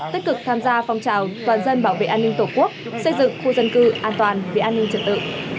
tích cực tham gia phong trào toàn dân bảo vệ an ninh tổ quốc xây dựng khu dân cư an toàn vì an ninh trật tự